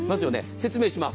説明します。